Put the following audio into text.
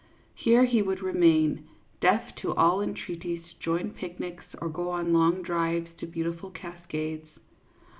Here he would remain, deaf to all entreaties to join picnics or go on long drives to beautiful cascades.